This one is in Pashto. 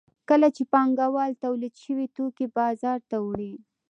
کله چې پانګوال تولید شوي توکي بازار ته وړي